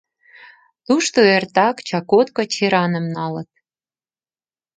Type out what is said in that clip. Тушто эртак чакотко чераным налыт.